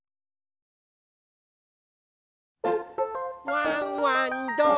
ワンワンどこだ？